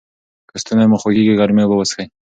که ستونی مو خوږیږي ګرمې اوبه وڅښئ.